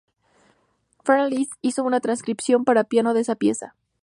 Franz Liszt hizo una transcripción para piano de esta pieza.